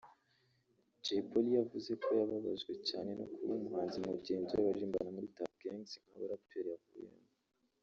Jay Polly yavuze ko yababajwe cyane no kuba umuhanzi mugenzi we baririmbana muri Tuff Gangz nk’abaraperi avuyemo